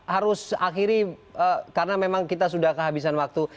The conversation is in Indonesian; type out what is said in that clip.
harus akhiri karena memang kita sudah kehabisan waktu